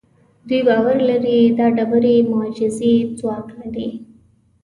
دوی باور لري دا ډبرې معجزه اي ځواک لري.